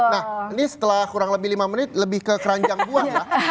nah ini setelah kurang lebih lima menit lebih ke keranjang buah ya